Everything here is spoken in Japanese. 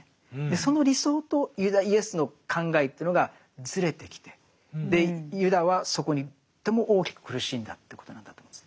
その理想とイエスの考えというのがずれてきてユダはそこにとっても大きく苦しんだということなんだと思うんです。